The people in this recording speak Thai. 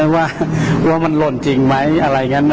ว่ามันหล่นจริงมั้ย